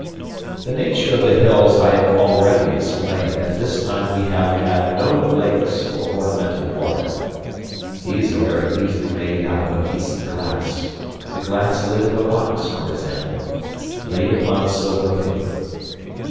The nature of the hills I have already explained, and this time we have had no lakes or ornamental water. These are very easily made out of a piece of glass the glass lid of a box for example laid upon silver paper.